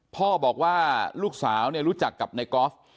พ่อบอกว่าลูกสาวเนี่ยรู้จักกับนายกอล์ฟ